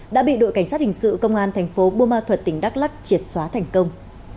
đã bị đội cảnh sát hình sự công an thành phố buôn ma thuật tỉnh đắk lắc triệt xóa thành công